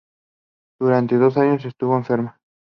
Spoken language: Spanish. Durante dos años estuvo enferma.